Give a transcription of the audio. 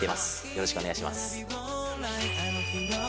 よろしくお願いします。